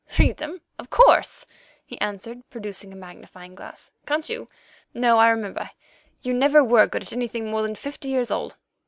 "Read them? Of course," he answered, producing a magnifying glass. "Can't you? No, I remember; you never were good at anything more than fifty years old.